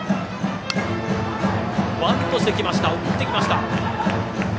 バントしてきた、送ってきました。